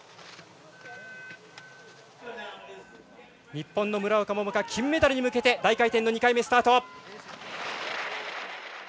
日本の村岡桃佳金メダルに向けて大回転の２回目スタート！